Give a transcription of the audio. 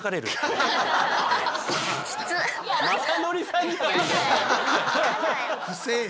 雅紀さんじゃないか！